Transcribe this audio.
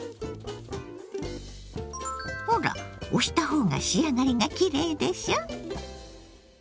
ほら押した方が仕上がりがきれいでしょ！